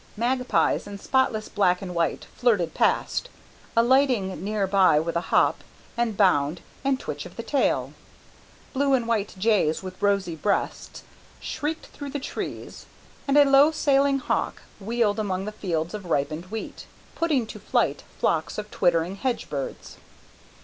Magpies in spotless black and white flirted past, alighting near by with a hop and bound and twitch of the tail. Blue and white jays with rosy breasts shrieked through the trees, and a low sailing hawk wheeled among the fields of ripening wheat, putting to flight flocks of twittering hedge birds.